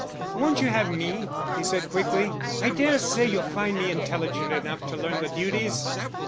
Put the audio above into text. "Won't you have me?" he said quickly. "I dare say you'll find me intelligent enough to learn the duties."